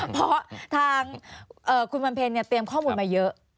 เพราะทางคุณวันเพ็ญเตรียมข้อมูลมาเยอะ